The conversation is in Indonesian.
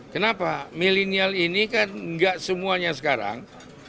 kenapa milenial ini kan gak semuanya sekarang